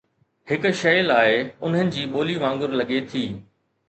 هڪ شيء لاء، انهن جي ٻولي وانگر لڳي ٿي.